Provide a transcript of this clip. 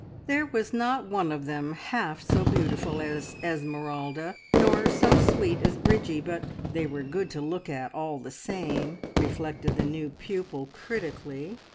There was not one of them half so beautiful as Esmeralda, nor so sweet as Bridgie, but they were good to look at all the same, reflected the new pupil critically.